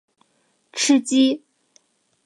吃鸡